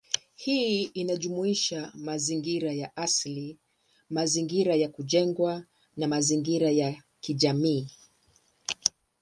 Hii inajumuisha mazingira ya asili, mazingira ya kujengwa, na mazingira ya kijamii.